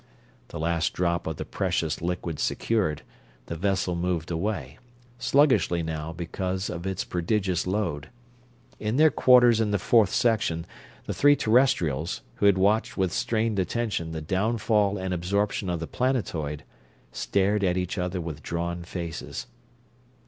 The last drop of the precious liquid secured, the vessel moved away, sluggishly now because of its prodigious load. In their quarters in the fourth section the three Terrestrials, who had watched with strained attention the downfall and absorption of the planetoid, stared at each other with drawn faces.